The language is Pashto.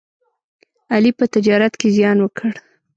علي په تجارت کې زیان وکړ.